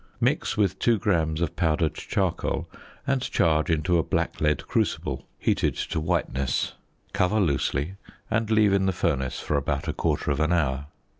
Mix with 2 grams of powdered charcoal and charge into a black lead crucible heated to whiteness, cover loosely, and leave in the furnace for about a quarter of an hour.